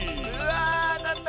わあたった！